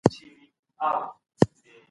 تاسي کله د افغانستان د خپلواکۍ ورځ ولمانځله؟